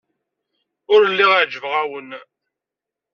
Ur lliɣ ɛejbeɣ-awen.